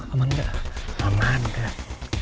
aman gak aman gak